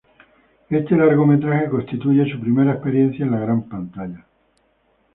Este largometraje constituye su primera experiencia en la gran pantalla.